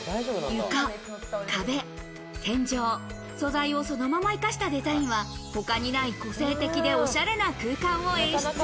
床、壁、天井、素材をそのまま生かしたデザインは他にない個性的でおしゃれな空